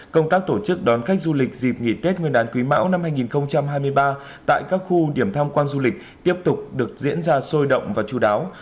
công tác tổ chức đón khách du lịch dịp nghỉ tết nguyên đán quý mão năm hai nghìn hai mươi ba tại các khu điểm tham quan du lịch tiếp tục được diễn ra sôi động và chú đáo